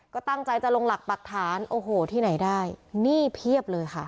ก็ตั้งใจจะลงหลักปรักฐานโอ้โหที่ไหนได้หนี้เพียบเลยค่ะ